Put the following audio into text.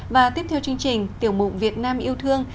và tiếp theo chương trình tiểu mục việt nam yêu thương